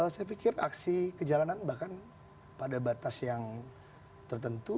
saya pikir aksi kejalanan bahkan pada batas yang tertentu